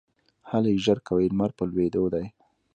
هلئ ژر کوئ ! لمر په لوېدو دی